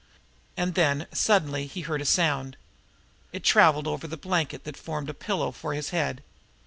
And then, suddenly, he heard a sound. It traveled over the blanket that formed a pillow for his head.